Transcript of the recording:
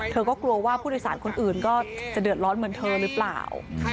เธอก็กลัวว่าผู้โดยสารคนอื่นก็จะเดือดร้อนเหมือนเธอหรือเปล่า